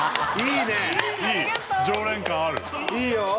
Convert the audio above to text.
いいよ！